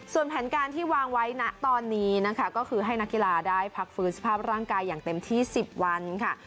ส่วนแผนการที่วางไว้ณตอนนี้นะคะก็คือให้นักกีฬาได้พักฟื้นสภาพร่างกายอย่างเต็มที่๑๐วันค่ะ